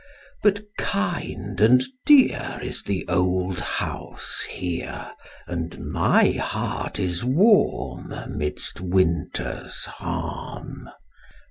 But kind and dear Is the old house here And my heart is warm Midst winter's harm.